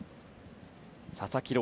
佐々木朗